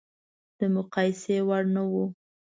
د مقایسې وړ نه و.